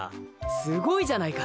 すごいじゃないか。